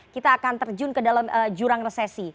kita akan terjun ke dalam jurang resesi